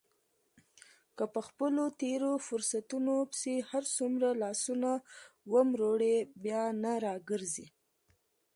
که په خپلو تېرو فرصتونو پسې هرڅومره لاسونه ومروړې بیا نه را ګرځي.